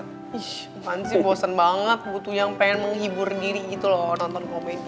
fann sih bosen banget butuh yang pengen menghibur diri gitu loh nonton komedi